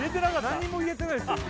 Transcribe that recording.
何にも言えてないですよ